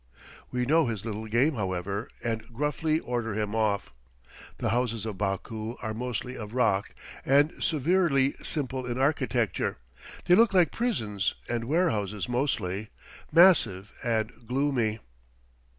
We know his little game, however, and gruffly order him off. The houses of Baku are mostly of rock and severely simple in architecture; they look like prisons and warehouses mostly massive and gloomy.